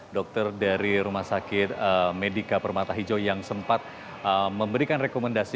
dokter dari rumah sakit medika permata hijau yang sempat memberikan rekomendasi